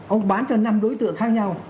ông bán cho năm đối tượng khác nhau